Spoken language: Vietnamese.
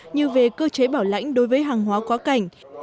như về cơ chế bảo lãnh đối với hàng hóa quá cảnh